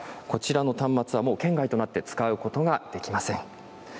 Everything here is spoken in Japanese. こちらの端末は、もう圏外となって使うことができません。